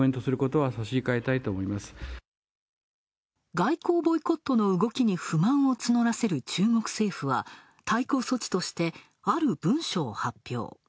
外交ボイコットの動きに不満を募らせる中国政府は、対抗措置としてある文書を発表。